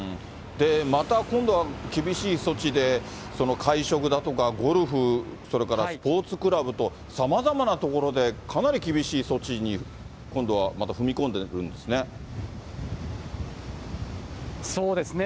また今度は厳しい措置で、会食だとか、ゴルフ、それからスポーツクラブと、さまざまな所でかなり厳しい措置に、今度はまた、踏み込んでるんですね。